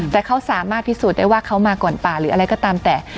แต่เขาสามารถพิสูจน์ได้ว่าเขามาก่อนป่าหรืออะไรก็ตามแต่